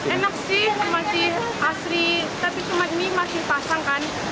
enak sih masih asri tapi cuma mie masih pasang kan